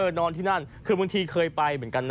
นอนที่นั่นคือบางทีเคยไปเหมือนกันนะ